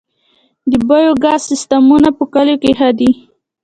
د بایو ګاز سیستمونه په کلیو کې ښه دي